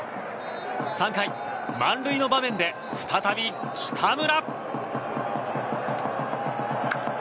３回、満塁の場面で再び北村。